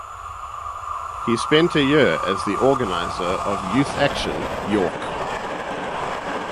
He spent a year as the organiser of Youth Action, York.